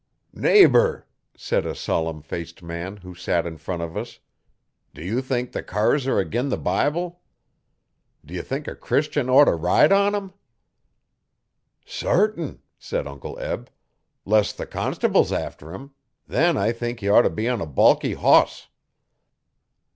'Neighbour,' said a solemn faced man, who sat in front of us, 'do you think the cars are ag'in the Bible? D'you think a Christian orter ride on 'em?' 'Sartin,' said Uncle Eb. 'Less the constable's after him then I think he orter be on a balky hoss.'